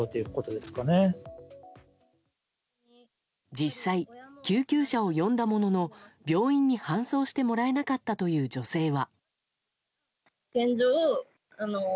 実際、救急車を呼んだものの病院に搬送してもらえなかったという女性は。